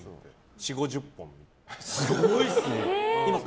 ４０５０本。